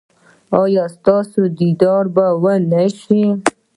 ایا ستاسو دیدار به و نه شي؟